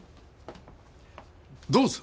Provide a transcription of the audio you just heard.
どうぞ！